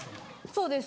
そうです。